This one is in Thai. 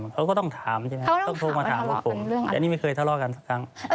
เขาก็ต้องถามใช่ไหมต้องโทรมาถามพวกผมแต่นี่ไม่เคยทะเลาะกันสักครั้ง